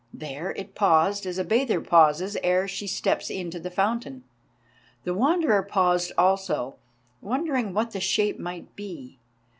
There it paused as a bather pauses ere she steps into the fountain. The Wanderer paused also, wondering what the shape might be.